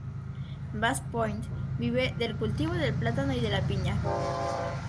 Basse-Pointe vive del cultivo del plátano y de la piña.